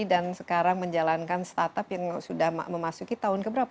dan sekarang menjalankan startup yang sudah memasuki tahun keberapa